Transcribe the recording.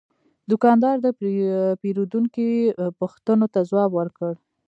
دوکاندار د پیرودونکي پوښتنو ته ځواب ورکړ.